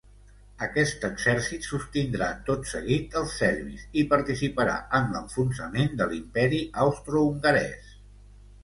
Aquest exèrcit sostindrà tot seguit els serbis i participarà en l'enfonsament de l'Imperi austrohongarès.